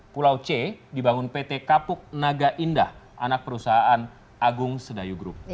pulau c dibangun pt kapuk naga indah anak perusahaan agung sedayu group